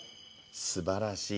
すばらしい。